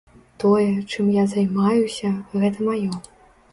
Тое, чым я займаюся, гэта маё.